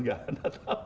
nggak ada tahu